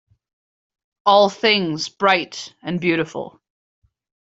All things bright and beautiful.